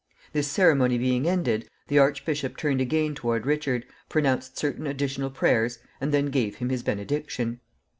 This ceremony being ended, the archbishop turned again toward Richard, pronounced certain additional prayers, and then gave him his benediction.